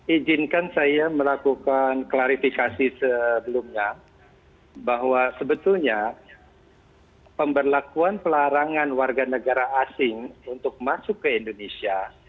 ijinkan saya melakukan klarifikasi sebelumnya bahwa sebetulnya pemberlakuan pelarangan warga negara asing untuk masuk ke indonesia